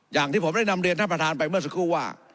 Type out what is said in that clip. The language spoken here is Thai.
อย่างที่ผมได้นำเรียนท่านประธานไปเมื่อสักครู่ว่า